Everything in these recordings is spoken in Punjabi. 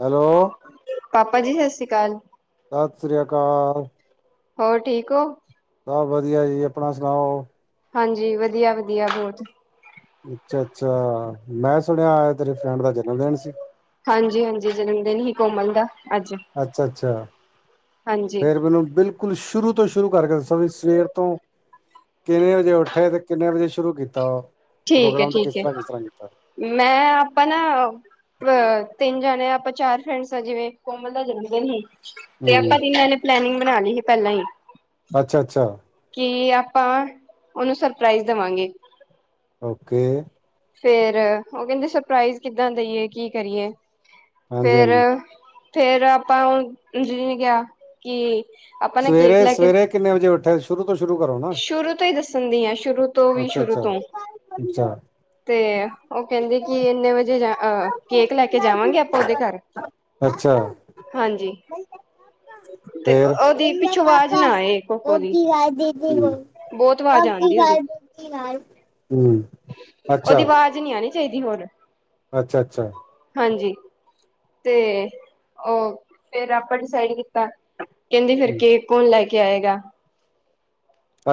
ਹੈਲੋ ਪਾਪਾ ਜੀ ਸਤਿ ਸ਼੍ਰੀ ਅਕਾਲ ਸਤਿ ਸ੍ਰੀ ਅਕਾਲ ਹੋਰ ਠੀਕ ਹੋ ਸਭ ਵਧੀਆ ਜੀ ਆਪਣਾ ਸੁਣਾਓ ਹਾਂਜੀ ਵਧੀਆ ਵਧੀਆ ਬਹੁਤ ਅੱਛਾ ਅੱਛਾ ਮੈਂ ਸੁਣਿਆ ਤੇਰੇ ਫਰੈਂਡ ਦਾ ਜਨਮ ਦਿਨ ਸੀ ਹਾਂਜੀ ਹਾਂਜੀ ਜਨਮਦਨ ਹੀ ਕੋਮਲ ਦਾ ਅੱਜ ਅੱਛਾ ਅੱਛਾ ਹਾਂਜੀ ਫੇਰ ਮੈਨੂੰ ਬਿਲਕੁਲ ਸ਼ੁਰੂ ਤੋਂ ਸ਼ੁਰੂ ਕਰਕੇ ਦੱਸਾਂ ਵੀ ਸਵੇਰ ਤੋਂ ਕਿੰਨੇ ਵਜੇ ਉੱਠੇ ਤੇ ਕਿੰਨੇ ਵਜੇ ਸ਼ੁਰੂ ਕੀਤਾ ਉਹ ਠੀਕ ਹੈ ਪ੍ਰੋਗਰਾਮ ਤੇ ਕਿਸ ਠੀਕ ਹੈ ਤਰ੍ਹਾਂ ਕਿਸ ਤਰ੍ਹਾਂ ਕੀਤਾ ਮੈਂ ਆਪਾਂ ਨਾ ਅ ਤਿੰਨ ਜਾਣੇ ਆ ਆਪਾਂ ਚਾਰ ਫਰੈਂਡਸ ਆ ਜਿਵੇਂ ਕੋਮਲ ਦਾ ਜਨਮ ਦਿਨ ਹੀ ਤੇ ਹੂੰ, ਆਪਾਂ ਤਨਨਾਂ ਨੇ ਪਲਨਿੰਗ ਬਣਾ ਲਈ ਸੀ ਪਹਿਲਾਂ ਹੀ ਅੱਛਾ ਅੱਛਾ ਕਿ ਆਪਾਂ ਉਹਨੂੰ ਸਰਪ੍ਰਾਈਜ਼ ਦੇਵਾਂਗੇ ਓਕੇ ਫੇਰ ਉਹ ਕਹਿੰਦੇ ਸਰਪ੍ਰਾਈਜ਼ ਕਿੱਦਾਂ ਦੇਈਏ ਕੀ ਕਰੀਏ ਫੇਰ ਹਾਂਜੀ-ਹਾਂਜੀ। ਫੇਰ ਆਪਾਂ ਨੇ ਕਿਹਾ ਕਿ ਆਪਾਂ ਨਾ ਕੇਕ ਸਵੇਰੇ ਲੈ ਕੇ ਸਵੇਰੇ ਕਿੰਨੇ ਵਜੇ ਉੱਠਿਆ ਸ਼ੁਰੂ ਤੋਂ ਸ਼ੁਰੂ ਕਰੋ ਨਾ, ਸ਼ੁਰੂ ਤੋਂ ਹੀ ਦੱਸਣ ਦੀ ਹਾਂ ਸ਼ੁਰੂ ਤੋਂ ਵੀ ਸ਼ੁਰੂ ਅੱਛਾ-ਅੱਛਾ, ਤੋਂ ਅੱਛਾ। ਤੇ ਉਹ ਕਹਿੰਦੇ ਕਿ ਇੰਨੇ ਵਜੇ ਜਾ ਅਹ ਕੇਕ ਲੈ ਕੇ ਜਾਵਾਂਗੇ ਆਪਾਂ ਉਹਦੇ ਘਰ ਅੱਛਾ ਹਾਂਜੀ ਤੇ ਫੇਰ ਉਹਦੀ ਬੋਲੇ ਪਿੱਛੋਂ ਆਵਾਜ਼ ਪਾਪਾ ਨਾ ਆਏ ਉਹ ਕੋਕਦੀ ਕੀ ਬਹੁਤ ਆਵਾਜ਼ ਆਉਂਦੀ ਉਹਦੀ ਗ ਦ ਹ ਉਹਦੀ ਆਵਾਜ਼ ਨਹੀਂੀ ਆਉਣੀ ਚਾਹੀਦੀ ਹੋਰ ਅੱਛਾ ਅੱਛਾ ਹਾਂਜੀ ਤੇ ਉਹ ਫੇਿਰ ਆਪਾਂ ਡਿਸਾਈਡ ਕੀਤਾ ਕਹਿੰਦੀ ਫਿਰ ਹੂੰ ਕੇਕ ਕੌਣ ਲੈ ਕੇ ਆਏਗਾ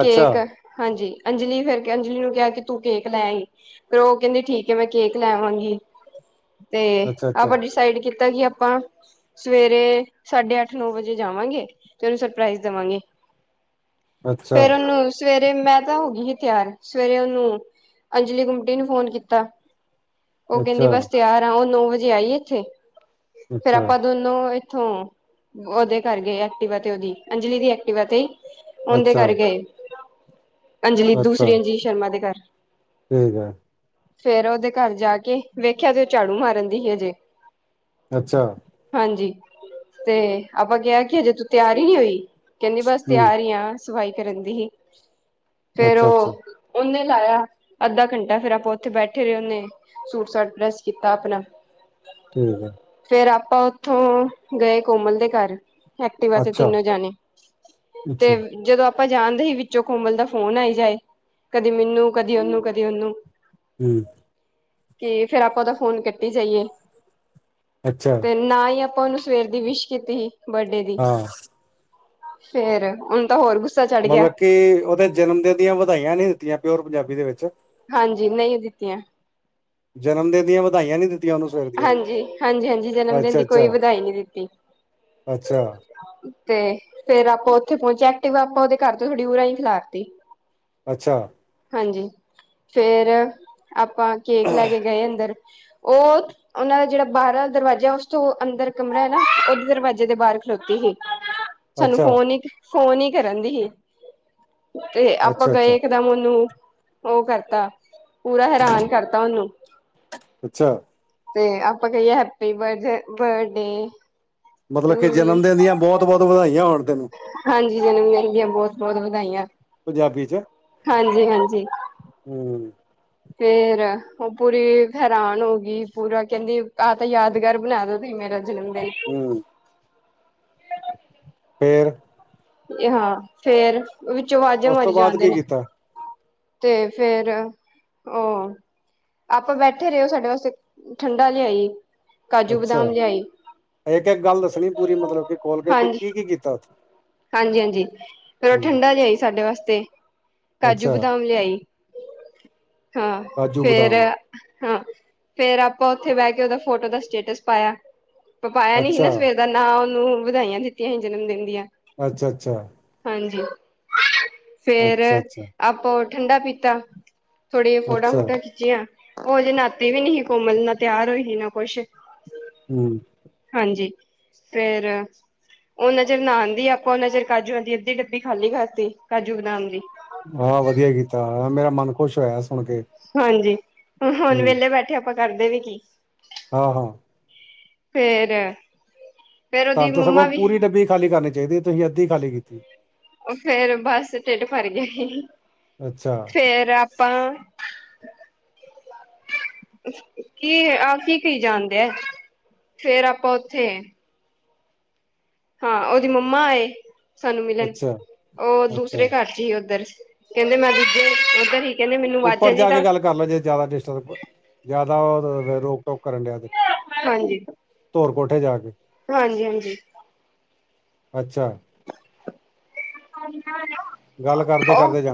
ਅੱਛਾ ਹਾਂਜੀ ਅੰਜਲੀ ਫਿਰ ਕੇ ਅੰਜਲੀ ਨੂੰ ਕਿਹਾ ਕਿ ਤੂੰ ਕੇਕ ਲੈ ਹੀ ਫ ਉਹ ਕਹਿੰਦੀ ਠੀਕ ਹੈ ਮੈਂ ਕੇਕ ਲੈਵਾਂਗੀ ਤੇ ਅੱਛਾ ਅੱਛਾ ਆਪਾਂ ਡਿਸਾਈਡ ਕੀਤਾ ਕਿ ਆਪਾਂ ਸਵੇਰੇ ਸਾਢੇ ਅੱਠ ਨੌ ਵਜੇ ਜਾਵਾਂਗੇ ਤੇ ਉਹਨੂੰ ਸਰਪ੍ਰਾਈਜ਼ ਦੇਵਾਂਗੇ ਅੱਛਾ ਫੇਰ ਉਹਨੂੰ ਸਵੇਰੇ ਮੈਂ ਤਾਂ ਹੋ ਗਈ ਸੀ ਤਿਆਰ ਸਵੇਰੇ ਉਹਨੂੰ ਅੰਜਲੀ ਗੁੰਮਟੀ ਨੂੰ ਫੋਨ ਕੀਤਾ ਉਹ ਕਹਿੰਦੀ ਅੱਛਾ ਬਸ ਤਿਆਰ ਆ ਉਹ ਨੋ ਵਜੇ ਆਈਏ ਇੱਥੇ ਫੇਰ ਅੱਛਾ ਆਪਾਂ ਦੋਨ ਇੱਥੋਂ ਉਹਦੇ ਕਰ ਗਏ ਐਕਟੀਵਾ ਤੇ ਉਹਦੀ ਅੰਜਲੀ ਦੀ ਐਕਟੀਵਾ ਤੇ ਉਹਦੇ ਅੱਛਾ ਕਰ ਅੰਜਲੀ ਅੱਛਾ ਦੂਸਰੀ ਅੰਜੀਲ ਸ਼ਰਮਾ ਦੇ ਘਰ ਠੀਕ ਹੈ ਫੇਰ ਉਹਦੇ ਘਰ ਜਾ ਕੇ ਵੇਖਿਆ ਤੇ ਉਹ ਝਾੜੂ ਮਾਰਨ ਦੀ ਸੀ ਹਜੇ ਅੱਛਾ ਹਾਂਜੀ ਤੇ ਆਪਾਂ ਕਿਹਾ ਕਿ ਅਜੇ ਤਿਆਰ ਹੀ ਨਹੀਂੀ ਹੋਈ ਕਹਿੰਦੀ ਬਸ ਹੂੰ ਤਿਆਰ ਹੀ ਆ ਸਫਾਈ ਕਰਨ ਦੀ ਹੀ ਫੇਰ ਅੱਛਾ ਅੱਛਾ ਉਹ ਉਹਨੇ ਲਾਇਆ ਅੱਧਾ ਘੰਟਾ ਫੇਰ ਆਪਾਂ ਉੱਥੇ ਬੈਠੇ ਰਹੇ ਉਹਨੇ ਸੂਟ ਸ਼ਟ ਪ੍ਰੈੱਸ ਕੀਤਾ ਆਪਣਾ ਠੀਕ ਏ ਫੇਿਰ ਆਪਾਂ ਉੱਥੋਂ ਗਏ ਕੋਮਲ ਦੇ ਘਰ ਐਕਟਿਵਾ ਤੇ ਅੱਛਾ ਤਿੰਨੋ ਜਾਣੇ ਅੱਛਾ ਤੇ ਜਦੋਂ ਆਪਾਂ ਜਾਣਦੇ ਸੀ ਵਿੱਚੋਂ ਕੌਮਲ ਦਾ ਫੋਨ ਆਈ ਜਾਏ ਕਦੇ ਮੈਨੂੰ ਕਦੀ ਓਨੂੰ ਕਦੀ ਓਨੂੰ ਹੂੰ ਤੇ ਫੇਰ ਆਪਾਂ ਉਹਦਾ ਫੋਨ ਕੱਟੀ ਜਾਈਏ ਅੱਛਾ ਤੇ ਨਾ ਹੀ ਆਪਾਂ ਉਹਨੂੰ ਸਵੇਰ ਦੀ ਵਿਸ਼ ਕੀਤੀ ਸੀ ਬਰਡੇ ਦੀ ਹਾਂ ਫੇਰ ਹਣ ਹੋਰ ਚੜ ਗਿਆ ਮਤਲਬ ਕਿ ਉਹਦੇ ਜਨਮ ਦਿਨ ਦੀਆਂ ਵਧਾਈਆਂ ਨਹੀਂ ਦਿੱਤੀਆਂ ਪਿਓਰ ਪੰਜਾਬੀ ਦੇ ਵਿੱਚ ਹਾਂਜੀ ਨਹੀਂ ਦਿੱਤੀਆਂ ਜਨਮ ਦਿਨ ਦੀਆਂ ਵਧਾਈਆਂ ਨੀ ਦਿੱਤੀਆਂ ਉਹਨੂੰ ਸਵੇਰ ਦੀਆਂ ਹਾਂਜੀ ਹਾਂਜੀ ਹਾਂਜੀ ਜਨਮ ਦਿਨ ਅੱਛਾ ਦੀ ਅੱਛਾ ਕੋਈ ਵਧਾਈ ਨਹੀਂੀ ਦਿੱਤੀ ਅੱਛਾ ਤੇ ਫੇਰ ਆਪਾਂ ਉੱਥੇ ਪਹੁੰਚੇ ਐਕਟਿਵਾ ਆਪਾਂ ਉਹਦੇ ਘਰ ਤੋਂ ਥੋੜੀ ਉ ਹੀ ਖਿਲਾਰਤੀ ਅੱਛਾ ਹਾਂਜੀ ਫੇਰ ਆਪਾਂ ਕੇਕ ਲੈ ਅੱਛਾ ਕੇ ਗਏ ਅੰਦਰ ਉਠ ਉਹਨਾਂ ਦਾ ਜਿਹੜਾ ਬਾਹਰਾਂ ਦਰਵਾਜ਼ਾ ਉਸ ਤੋਂ ਅੰਦਰ ਕਮਰਾ ਹੈ ਨਾ ਉਹਦੇ ਦਰਵਾਜ਼ੇ ਦੇ ਬਾਹਰ ਖਲੋਤੀ ਸੀ ਸਾਨੂੰ ਫੋਨ ਅੱਛਾ ਹੀ ਫੋਨ ਹੀ ਕਰਡ ਰਿਹਾ ਤੇ ਆਪਾਂ ਅੱਛਾ ਗਏ ਦਮ ਉਹਨੂੰ ਉਹ ਕਰਤਾ ਪੂਰਾ ਹੈਰਾਨ ਕਰਤਾ ਉਹਨੂੰ ਅੱਛਾ ਤੇ ਆਪਾਂ ਕਹੀਏ ਹੈਪੀ ਬ ਬਰਡੇ ਮਤਲਬ ਟੂ ਕਿ ਯੂ ਜਨਮ ਦਿਨ ਦੀਆਂ ਬਹੁਤ ਬਹੁਤ ਵਧਾਈਆਂ ਹੋਣ ਤੈਨੂੰ ਹਾਂਜੀ ਜਨਮ ਦਿਨ ਦੀਆਂ ਬਹੁਤ ਬਹੁਤ ਵਧਾਈਆਂ ਪੰਜਾਬੀ ਚ ਹਾਂਜੀ ਹਾਂਜੀ ਹਮ ਫੇਰ ਉਹ ਪੂਰੀ ਹੈਰਾਨ ਹੋ ਗਈ ਪੂਰਾ ਕਹਿੰਦੀ ਆਹ ਤਾਂ ਯਾਦਗਾਰ ਬਣਾ ਦ ਤੁ ਮੇਰੇ [unintelligible] ਹੂੰਨ ਫਰ ਹਾਂ ਫੇਰ ਉਹ ਵਿੱਚੋਂ ਵਵਾਜ਼ੇ ਉਸ ਮਰੀ ਤੋਂ ਬਾਅਦ ਜਾਂਦੇ ਕੀ ਨੇ ਕੀਤਾ ਤੇ ਫੇਰ ਉਹ ਆਪਾਂ ਬੈਠੇ ਰਹੇ ਉਹ ਸਾਡੇ ਵਾਸਤੇ ਠੰਡਾ ਲਿਆਈ ਕਾਜੂ ਅੱਛਾ ਬਦਾਮ ਲਿਆਈ ਇੱਕ ਇੱਕ ਗੱਲ ਦੱਸਣੀ ਪੂਰੀ ਮਤਲਬ ਕਿ ਖੋਲ ਕੇ ਕਿ ਕੀ ਕੀ ਕੀਤਾ ਉੱਥੇ ਹਾਂਜੀ ਹਾਂਜੀ ਫਿਰ ਉਹ ਹੂੰ ਠੰਡਾ ਲਿਆਈ ਸਾਡੇ ਵਾਸਤੇ ਕਾਜੂ ਅੱਛਾ ਬਦਾਮ ਲਿਆਈ ਹਾਂ ਕਾਜੂ ਫੇਰ ਬਦਾਮ ਹਾਂ ਫੇਰ ਆਪਾਂ ਉੱਥੇ ਬਹਿ ਕੇ ਉਹਦਾ ਫੋਟੋ ਦਾ ਸਟੇਟਸ ਪਾਇਆ ਪਪਾਇਆ ਨੀ ਸੀ ਅੱਛਾ ਨਾ ਸਵੇਰ ਦਾ ਨਾ ਉਹਨੂੰ ਵਧਾਈਆਂ ਦਿੱਤੀਆਂ ਸੀ ਜਨਮ ਦਿਨ ਦੀਆਂ ਅੱਛਾ ਅੱਛਾ ਹਾਂਜੀ ਫੇਰ ਅੱਛਾ ਆਪਾ ਓਹ ਠੰਡਾ ਪੀਤਾ ਥੋੜੀ ਫੋੜਾ ਅੱਛਾ ਫੋਟਾ ਖੀ ਉਹਜੇ ਨਾਤੇ ਵੀ ਨੀ ਸੀ ਕੋਮਲ ਨਾ ਤਿਆਰ ਹੋਈ ਸੀ ਨਾ ਕੁਛ ਹਮ ਹਾਂਜੀ ਫਿਰ ਉਹ ਨਜ਼ਰ ਨਉਦੀ ਆਪ ਕੋਨਾ ਚਿਰ ਕਾਜੂਆਂ ਦੀ ਅੱਧੀ ਡੱਬੀ ਖਾਲੀ ਕਰਾਤੀ ਕਜੂ ਬਦਾਮ ਦੀ ਹਹ ਵਧੀਆ ਕੀਤਾ ਮੇਰਾ ਮਨ ਖੁਸ਼ ਹੋਇਆ ਸੁਣ ਕੇ ਹਾਂਜੀ ਹੁਣ ਹੂੰ ਵਿਹਲੇ ਬੈਠੇ ਆਪਾਂ ਕਰਦੇ ਵੀ ਕੀ ਹਾਂ ਹਾਂ ਫੇਰ ਫੇਰ ਉਹਦੀ ਤਾਂਨ ਤੇ ਸਗੋਂ ਮੰਮਾ ਵੀ ਪੂਰੀ ਡੱਬੀ ਖਾਲੀ ਕਰਨੀ ਚਾਹੀਦੀ ਤੁਸੀਂ ਅੱਧੀ ਖਾਲੀ ਕੀਤੀ ਫੇਰ ਬੱਸ ਢਿੱਡ ਭਰ ਗਿਆ ਸੀ ਅੱਛਾ ਫੇਰ ਆਪਾਂ ਕੀ ਆਹ ਕੀ ਕਹੀ ਜਾਣ ਡੇਐ ਫੇਰ ਆਪਾਂ ਉੱਥੇ ਹਾਂ ਉਹਦੀ ਮੰਮਾ ਆਏ ਸਾਨੂੰ ਮਿਲਣ ਅੱਛਾ ਉਹ ਅੱਛਾ ਦੂਸਰੇ ਘਰ ਜੀ ਉੱਧਰ ਕਹਿੰਦੇ ਮੈਂ [unintelligible] ਉੱਧਰ ਹੀ ਕਹਿੰਦੇ ਮੈਨੂੰ ਵਾਜਾਂ ਉੱਪਰ ਜੀ ਜਾ ਕੇ ਤਾਂ ਗੱਲ ਕਰ ਲੈ ਜੇ ਜ਼ਿਆਦਾ ਡਿਸਟਰਬ ਜਿਆਦਾ [unintelligible] ਓਹ ਕਰਨ ਡਿਆ ਤੇ ਹਾਂਜੀ ਧੋਰ ਕੋਠੇ ਜਾ ਕੇ [unintelligible] ਅੱਛਾ ਹ [unintelligible] ਗੱਲ ਕਰਦੇ ਕਰਦੇ ਜਾ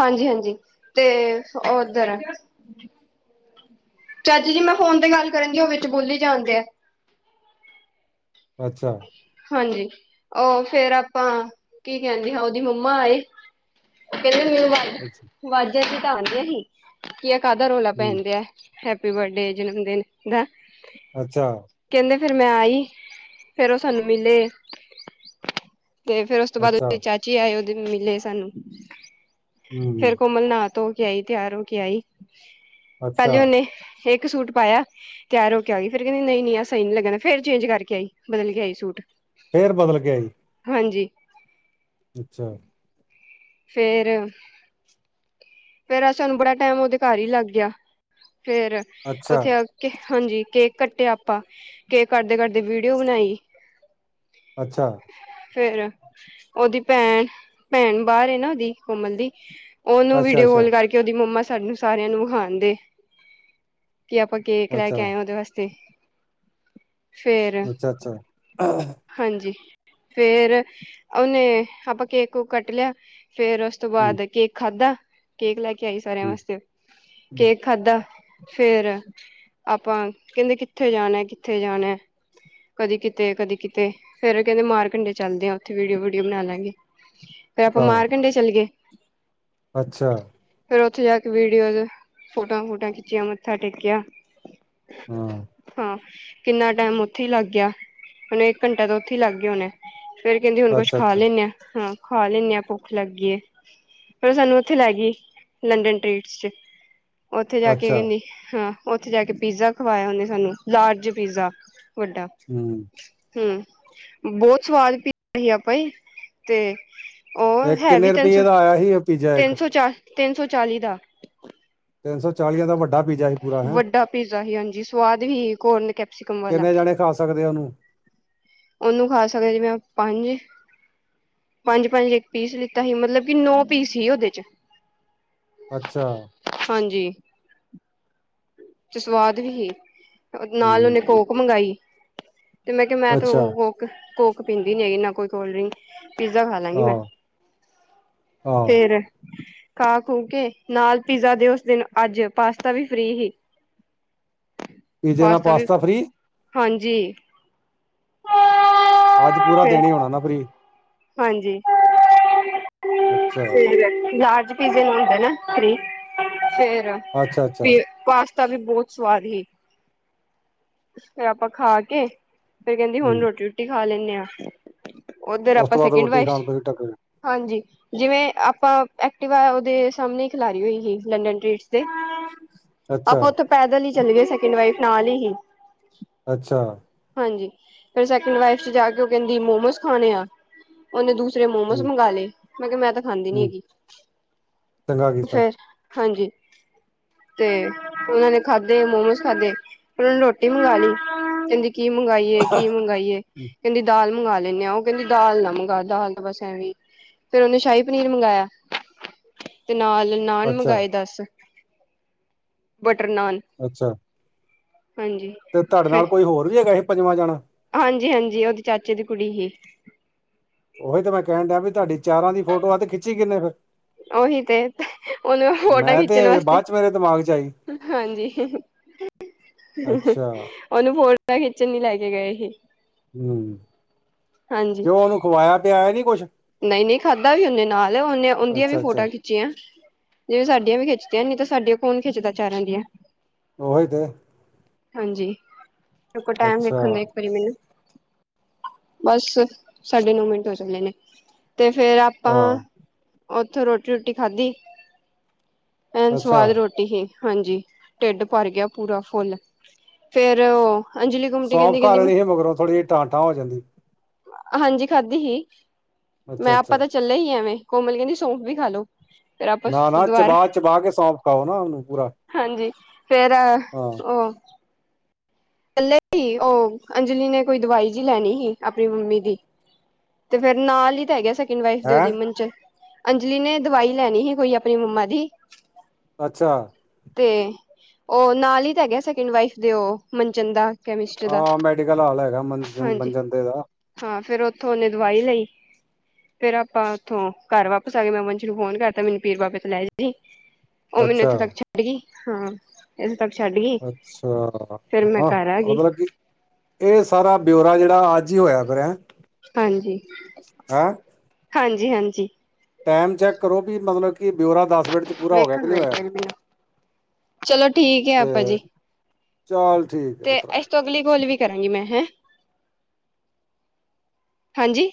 ਹਾਂਜੀ ਹਾਂਜੀ ਤੇ ਓਧਰ ਚਾਚੀ ਜੀ ਮੈਂ ਫੋਨ ਤੇ ਗੱਲ ਕਰਨਦੀ ਉਹ ਵਿੱਚ ਬੋਲੀ ਜਾਂਣ ਦੇ ਅੱਛਾ ਹਾਂਜੀ ਉਹ ਫੇਰ ਆਪਾਂ ਕੀ ਕਹਿੰਦੇ ਹਾਂ ਉਹਦੀ ਮੰਮਾ ਆਏ ਹਿੰ ਮੂੰ [unintelligible] ਅੱਛਾ ਵਾਜਾਂ ਤੇ ਘਰ ਦੀਆਂ ਹੀ ਕਿ ਇਹ ਕਾਹਦਾ ਰੌਲਾ ਹੂੰ ਪੈਨ ਦੇਐ ਹੈਪੀ ਬਰਥਡੇ ਜਨਮ ਦਿਨ ਦਾ ਅੱਛਾ ਕਹਿੰਦੇ ਫੇਰ ਮੈਂ ਆਈ ਫੇਰ ਉਹ ਸਾਨੂੰ ਮਿਲੇ ਤੇ ਫੇਰ ਉਸ ਤੋਂ ਬਾਅਦ ਅੱਛਾ [unintelligible] ਜੀ ਆਏ ਉਹਦੇ ਮਿਲੇ ਸਾਨੂੰ ਹੂੰ ਫੇਰ ਕੋਮਲ ਨਾਹ ਧੋ ਕੇ ਆਈ ਤਿਆਰ ਹੋ ਕੇ ਆਈ ਅੱਛਾ ਪਹਿਲੇ ਉਹਨੇ ਇੱਕ ਸੂਟ ਪਾਇਆ ਤਿਆਰ ਹੋ ਕੇ ਆ ਗੀ ਫੇਰ ਕਹਿੰਦੀ ਨਹੀਂ ਨਹੀਂ ਆ ਸਹੀ ਨੀ ਲੱਗਣਦਾ ਫੇਰ ਚੇਂਜ ਕਰਕੇ ਆਈ ਬਦਲ ਕੇ ਆਈ ਸੂਟ ਫੇਰ ਬਦਲ ਕੇ ਆਈ ਹਾਂਜੀ ਅੱਛਾ ਫੇਰ ਫੇਰ ਅੱਜ ਸਾਨੂੰ ਬੜਾ ਟਾਈਮ ਉਹਦੇ ਘਰ ਹੀ ਲੱਗ ਗਿਆ ਫੇਰ ਅੱਛਾ ਉੱਥੇ। ਹਾਂਜੀ ਕੇਕ ਕੱਟਿਆ ਆਪਾਂ ਕੇਕ ਕਟਦੇ ਕਟਦੇ ਵੀਡੀਓ ਬਣਾਈ। ਅੱਛਾ। ਫੇਰ ਉਹਦੀ ਭੈਣ ਭੈਣ ਬਾਹਰ ਨਾ ਉਹਦੀ ਕੋਮਲ ਦੀ। ਉਹਨੂੰ ਅੱਛਾ ਵੀਡੀਓ ਅੱਛਾ ਕੋਲ ਕਰਕੇ ਉਹਦੀ ਮੰਮਾ ਸਾਨੂੰ ਸਾਰਿਆਂ ਨੂੰ ਵਖਾਣਦੇ ਕਿ ਆਪਾਂ ਕੇਕ ਲੈ ਅੱਛਾ ਕੇ ਆਏ ਉਹਦੇ ਵਾਸਤੇ ਫੇਰ ਅੱਛਾ ਅੱਛਾ ਹਾਂਜੀ ਫੇਰ ਉਹਨੇ ਆਪਾਂ ਕੇਕ ਕੁਕ ਕੱਟ ਲਿਆ ਫੇਰ ਉਸ ਉਸ ਤੋਂ ਹੂੰ ਬਾਅਦ ਕੇਕ ਖਾਧਾ ਕੇਕ ਲੈ ਕੇ ਆਈ ਸਾਰਿਆਂ ਹੂੰ ਵਾਸਤੇ ਹੂੰ ਕੇਕ ਖਾਧਾ ਫੇਰ ਆਪਾਂ ਕਹਿੰਦੇ ਕਿੱਥੇ ਜਾਣਾ ਕਿੱਥੇ ਜਾਣਾ ਕਦੀ ਕਿਤੇ ਕਦੀ ਕਿਤੇ ਫੇਰ ਕਹਿੰਦੇ ਮਾਰ ਕੰਡੇ ਚੱਲਦੇ ਆ ਉੱਥੇ ਵੀਡੀਓ ਵੀਡੀਓ ਬਣਾ ਲਾਂਗੇ ਫੇਰ ਆਪਾਂ ਆਹੋ ਮਾਰ ਕੰਡੇ ਚੱਲ ਗਏ ਅੱਛਾ ਫੇਿਰ ਉੱਥੇ ਜਾ ਕੇ ਵੀਡੀਓ ਫ਼ੋਟੋਆਂ ਫੁਟੁਆ ਖਿੱਚੀਆਂ ਮੱਥਾ ਟੇਕਿਆ ਹਾਂ ਹਾਂ ਕਿੰਨਾ ਟਾਈਮ ਉੱਥੇ ਹੀ ਲੱਗ ਗਿਆ ਹੁਣ ਇੱਕ ਘੰਟੇ ਤਾਂ ਉੱਥੇ ਹੀ ਲੱਗ ਗਿਆ ਹੋਣਾ। ਫੇਰ ਕਹਿੰਦੀ ਹੁਣ ਕੁਛ ਅੱਛਾ ਖਾ ਅੱਛਾ ਲੈਂਨੇ ਹਾਂ ਹਾਂ ਖਾ ਲੈਂਦੇ ਹਾਂ ਭੁੱਖ ਲੱਗੀਏ ਫਿਰ ਸਾਨੂੰ। ਉੱਥੇ ਲੈ ਗਈ, ਲੰਡਨ ਟੀਟਸ, ਚ ਉੱਥੇ ਜਾ ਕੇ ਅੱਛਾ ਕਹਿੰਦੀ ਹਾਂ। ਉੱਥੇ ਜਾ ਕੇ ਪੀਜ਼ਾ ਖਵਾਇਆ ਉਹਨੇ ਸਾਨੂੰ ਲਾਰਜ ਪੀਜ਼ਾ ਵੱਡਾ। ਹਮ। ਹਮ ਬਹੁਤ ਸਵਾਦ ਪੀਜਾ ਆ ਭਾਈ ਤੇ। ਉਹ ਤੇ ਹੈ ਵੀ ਕਿੰਨੇ ਤਿੰਨ ਰੁਪਈਏ ਸੌ ਦਾ ਆਇਆ ਸੀ? ਪੀਜ਼ਾ ਇੱਕ ਤਿੰਨ ਸੌ ਚਾਲ ਤਿੰਨ ਸੌ ਚਾਲੀ ਦਾ। ਤਿੰਨ ਸੌ ਚਾਲੀਆਂ ਦਾ ਵੱਡਾ ਪੀਜ਼ਾ ਸੀ ਪੂਰਾ ਹੈਂ। ਵੱਡਾ ਪੀਜ਼ਾ ਹੀ ਹਾਂਜੀ, ਸਵਾਦ ਸੀ ਕੋਰਨ ਕੈਪਸੀਕਮ ਵਾਲਾ। ਕਿੰਨੇ ਜਾਣੇ ਖਾ ਸਕਦੇ ਆ ਉਹਨੂੰ ਉਹਨੂੰ ਖਾ ਸਕਦੇ ਜਿਵੇਂ ਆਪਾ ਪੰਜ। ਪੰਜ ਪੰਜ ਇੱਕ ਪੀਸ ਲਿੱਤਾ ਸੀ ਮਤਲਬ ਕਿ ਨੋ ਪੀਸ ਸੀ ਉਹਦੇ ਚ। ਅੱਛਾ। ਹਾਂਜੀ। ਤੇ ਸਵਾਦ ਵੀ ਸੀ ਨਾਲ ਉਹਨੇ ਹੂੰ, ਕੋਕ ਮੰਗਾਈ ਤੇ ਮੈਂ ਕਿਹਾ ਮੈਂ ਤੇ ਅੱਛਾ ਕੋਕ। ਕੋਕ ਪੀਂਦੀ ਨੀ ਹੈਗੀ ਨਾ ਕੋਈ ਕੋਲਡਰਿੰਕ। ਪੀਜ਼ਾ ਖਾ ਲਾਂਗੀ ਮੈਂ ਆਹੋ ਆਹੋ ਫੇਰ। ਖਾ ਖੂ ਕੇ ਨਾਲ ਪੀਜ਼ਾ ਦੇ ਉਸ ਦਿਨ ਅੱਜ ਪਾਸਤਾ ਵੀ ਫ੍ਰੀ ਸੀ। ਪੀਜ਼ੇ ਨਾਲ ਪਾਸਤਾ ਵੀ ਫ੍ਰਰੀ ਹਾਂਜੀ। ਅੱਜ ਪੂਰਾ ਫੇਰ ਦਿਨ ਹੀ ਹੋਣਾ ਨਾ ਫਰੀ। ਹਾਂਜੀ ਅੱਛਾ ਤੇ ਲਾਰਜ। ਪੀਜੇ ਨਾਲ਼ ਹੁੰਦਾ ਨਾ ਫੇਰ ਅੱਛਾ ਅੱਛਾ ਪਾਸ। ਤਾ ਵੀ ਬਹੁਤ ਸਵਾਦ ਸੀ ਫਿਰ ਆਪਾਂ ਖਾ ਕੇ। ਫਿਰ ਕਹਿੰਦੀ ਹੁਣ ਹੂੰ ਰੋਟੀ ਰੂਟੀ ਖਾ ਲੈਂਨੇ ਆ ਓਧਰ ਉਸ ਆਪਾਂ ਤੋਂ ਬਾਅਦ ਸੈਕਿੰਡ ਰੋਟੀ ਵਾਈ। ਖਾਣ ਤੋਂ ਹੀ ਟੱਕ ਹਾਂਜੀ। ਜਿਵੇਂ ਆਪਾਂ ਐਕਟਿਵਾ ਉਹਦੇ ਸਾਹਮਣੇ ਖੜ੍ਹਾ ਲਈ ਹੋਈ ਸੀ ਲੰਡਨ ਟ੍ਰੀਟਸ ਦੇ। ਅੱਛਾ ਆਪਾਂ ਉੱਥੇ ਪੈਦਲ ਹੀ ਚੱਲ ਗਏ ਸੈਕਿੰਡ ਵਾਈਫ ਨਾਲ ਹੀ ਸੀ। ਅੱਛਾ। ਹਾਂਜੀ ਫਿਰ ਸੈਕਿੰਡ ਵਾਈਫ ਚ ਜਾ ਕੇ ਉਹ ਕਹਿੰਦੀ ਮੋਮੋਸ ਖਾਣੇ ਆ। ਉਹਨੇ ਦੂਸਰੇ ਮੋਮੋਸ ਹੂੰ ਮੰਗ ਲਏ ਮੈਂ ਕਿਹਾ ਮੈਂ ਤਾਂ ਖਾਂਦੀ ਨੀ ਹੂੰ ਹੈਗੀ ਚੰਗਾ ਤੇ ਕੀਤਾ ਫਿਰ। ਹਾਂਜੀ। ਤੇ ਉਹਨਾਂ ਨੇ ਖਾਧੇ ਮੋਮੋਸ ਖਾਧੇ। ਉਹਨਾਂ ਨੇ ਰੋਟੀ ਮੰਗਵਾ ਲਈ ਕਹਿੰਦੀ। ਕੀ ਮੰਗਈਏ ਕੀ ਮੰਗਾਈਏ ਹੂੰ, ਕਹਿੰਦੀ ਦਾਲ ਮੰਗਵਾ ਲੈਂਦੇ ਆ ਉਹ ਕਹਿੰਦੀ। ਦਾਲ ਨਾ ਮੰਗਵਾ ਦਾਲ ਬਸ ਐਵੀ ਫਿਰ ਉਹਨੇ ਸ਼ਾਹੀ ਪਨੀਰ ਮੰਗਵਾਇਆ। ਤੇ ਨਾਲ ਨਾਨ ਅੱਛਾ ਮੰਗਵਾਏ ਦੱਸ ਬਟਰ ਨਾਨ। ਅੱਛਾ। ਹਾਂਜੀ। ਤੇ ਤੁਹਾਡੇ ਫਿਰ ਨਾਲ ਕੋਈ ਹੋਰ ਵੀ ਹੈਗਾ ਸੀ ਪੰਜਵਾਂ ਜਾਣਾ? ਹਾਂਜੀ, ਹਾਂਜੀ ਉਹਦੀ ਚਾਚੇ ਦੀ ਕੁੜੀ ਸੀ। ਉਹੀ ਤੇ ਮੈਂ ਕਹਿਣ ਡਿਆਂ ਵੀ ਤੁਹਾਡੀ ਚਾਰਾਂ ਦੀ ਫੋਟੋ ਆ ਤੇ ਖਿੱਚੀ ਕਿੰਨੇ ਫਿਰ? ਉਹੀ ਤੇ ਉਹਨੂੰ ਫੋਟਾਂ ਮੈਂ ਤੇ ਖਿੱਚਣ ਵਾਸਤੇ ਬਾਅਦ ਚ ਮੇਰੇ ਦਿਮਾਗ ਚ ਆਈ ਹਾਂਜੀ। ਅੱਛਾ ਉਹਨੂੰ ਫੋਟੋਆ ਖਿੱਚਣ ਲਈ ਲੈ ਕੇ ਗਏ ਸੀ। ਹਾਂਜੀ ਕਿਉਂ ਉਹਨੂੰ, ਖਵਾਇਆ ਪਿਆਇਆ ਨੀ ਕੁਛ? ਨਹੀਂ ਨਹੀਂ ਖਾਧਾ ਵੀ ਉਹਦੇੇ ਨਾਲ ਉਹਨੇ ਉਹਦੀਆਂ ਵੀ ਅੱਛਾ ਅੱਛਾ ਫੋਟੋ ਖਿੱਚੀਆਂ। ਖਿੱਚੀਆਂ ਜਿਵੇਂ ਸਾਡੀਆਂ ਵੀ ਖਿੱਚਦੀਆਂ ਨੀ ਤਾਂ ਸਾਡੀਆਂ ਕੌਣ ਖਿੱਚਦਾ ਚਾਰਾਂ ਦੀਆਂ। ਉਹ ਹੀ ਤੇ। ਹਾਂਜੀ, ਟਾਈਮ ਅੱਛਾ ਵੇਖਣ ਦਾ ਇੱਕ ਵਾਰੀ ਮੈਨੂੰ ਬਸ, ਸਾਡੇ ਨੌ ਮਿੰਟ ਹੋ ਚੱਲੇ ਨੇ ਤੇ ਫੇਰ ਆਪਾਂ ਆਹ ਓਥੋਂ ਰੋਟੀ ਰੁਟੀ ਖਾਧੀ, ਇਹਨੀ ਅੱਛਾ ਸਵਾਦ ਰੋਟੀ ਸੀ। ਹਾਂਜੀ ਢਿੱਡ ਭਰ ਗਿਆ ਪੂਰਾ ਫੁੱਲ, ਫੇਰ ਉਹ ਅੰਜਲੀ ਗੁਮਟੀ ਸੌਂਫ ਕਹਿੰਦੀ ਖਾ ਕਹਿੰਦੀ ਮੈਂ ਲੈਣੀ ਸੀ ਮਗਰੌ ਥੋੜੀ ਜਿਹੀ ਟਾਂਟਾਂ ਹੋ ਜਾਂਦੀ। ਹਾਂਜੀ ਖਾਧੀ ਸੀ, ਅੱਛਾ ਮੈਂ ਆਪਾਂ ਅੱਛਾ ਤਾਂ ਚੱਲੇ ਹੀ ਐਵੇਂ ਕੋਮਲ ਕਹਿੰਦੀ ਸੌਂਫ ਵੀ ਖਾਲੋੋ। ਨਾ- ਨਾ ਚਬਾ- ਚਬਾ ਕੇ ਸੌਂਫ਼ ਖਾਓ ਨਾ ਉਹਨੂੰ ਪੂਰਾ। ਹਾਂਜੀ ਫੇਰ ਹਾਂ ਉਹ ਇਕੱਲੇ ਹੀ ਉਹ ਅੰਜਲੀ ਨੇ ਕੋਈ ਦਵਾਈ ਜੀ ਲੈਣੀ ਸੀ ਆਪਣੀ ਮੰਮੀ ਦੀ। ਤੇ ਫਿਰ ਨਾਲ ਹੀ ਤਾਂ ਹੈਂ ਹੈ। ਅੰਜਲੀ ਨੇ ਦਵਾਈ ਲੈਣੀ ਸੀ ਕੋਈ ਆਪਣੀ ਮੰਮਾ ਦੀ। ਅੱਛਾ। ਤੇ, ਉਹ ਨਾਲ ਹੀ ਤਾਂ ਹੈਗੇ ਸੈਕਿੰਡ ਵਾਈਫ ਦੇ ਉਹ ਮਨਜੰਦਾ। ਹਾਂ ਮੈਡੀਕਲ ਹਾਲ ਹੈਗਾ ਹਾਂਜੀ ਮੰਜਦੇ ਦਾ। ਹਾਂ ਫਿਰ ਉੱਥੋਂ ਉਹਨੇ ਦਵਾਈ ਲਈ। ਫੇਰ ਆਪਾਂ ਉੱਥੋਂ ਘਰ ਵਾਪਸ ਆ ਗਏ ਮੈਂ ਮੰਜੂ ਨੂੰ ਫੋਨ ਕਰਤਾ ਮੈਨੂੰ ਪੀਰ ਬਾਬੇ ਤੋਂ ਲੈ ਜੀ। ਉਹ ਮੈਨੂੰ ਅੱਛਾ ਇੱਥੇ ਤੱਕ ਛੱਡ ਗਈ ਹਾਂ ਇੱਥੇ ਤੱਕ ਛੱਡ ਗਈ। ਅੱਛਾ ਫੇਰ ਮੈਂ ਹਾਂ ਘਰ ਆ ਗਈ ਮਤਲਬ ਕੀ ਇਹ ਸਾਰਾ ਬਿਉਰਾ ਜਿਹੜਾ ਅੱਜ ਹੀ ਹੋਇਆ ਫਿਰ। ਹਾਂਜੀ, ਹੈਂ ਹਾਂਜੀ -ਹਾਂਜੀ। ਟਾਈਮ ਚੈੱਕ ਕਰੋ ਵੀ ਮਤਲਬ ਕਿ ਬਿਊਰਾ ਦਸ ਮਿੰਟ ਪੂਰਾ ਹੋ ਗਿਆ ਵੇਖਣ ਕਿ ਨਹੀਂ ਹੋਇਆ ਬਦੀ ਆ, ਚਲੋ ਠੀਕ ਹੈ ਆਪਾਂ ਜੀ। ਚਲ ਠੀਕ ਹੈ ਤੇ ਪੁੱਤਰਾ। ਇਸ ਅਗਲੀ ਕੋਲ ਵੀ ਕਰਾਂਗੀ ਮੈਂ ਹੈ, ਹਾਂਜੀ।